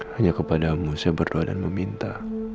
hanya kepadamu saya berdoa dan meminta